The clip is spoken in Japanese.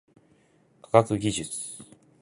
科学技術